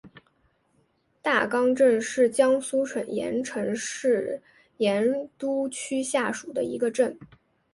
大冈镇是江苏省盐城市盐都区下属的一个镇。